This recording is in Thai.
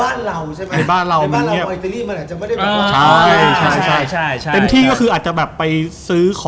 ในบ้านเราใช่ไหม